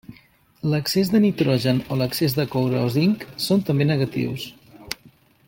L'excés de nitrogen o l'excés de coure o zinc són també negatius.